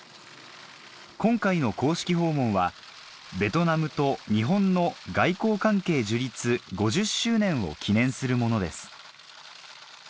今回の公式訪問はベトナムと日本の外交関係樹立５０周年を記念するものです